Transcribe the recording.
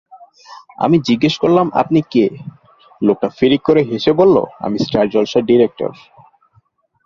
আমি জিজ্ঞাসা করলাম আপনি কে? লোকটা ফিড়িক করে হেসে বলল " আমি স্টার জলসার ডিরেক্টর।